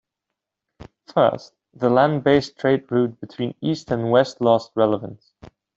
First, the land based trade route between east and west lost relevance.